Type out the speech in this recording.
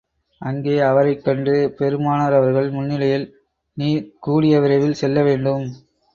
அங்கே அவரைக் கண்டு, பெருமானார் அவர்கள் முன்னிலையில், நீர் கூடிய விரைவில் செல்ல வேண்டும்.